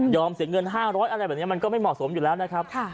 เสียเงิน๕๐๐อะไรแบบนี้มันก็ไม่เหมาะสมอยู่แล้วนะครับ